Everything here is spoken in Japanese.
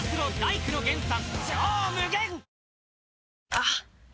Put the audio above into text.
あっ！